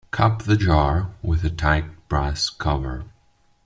Cap the jar with a tight brass cover.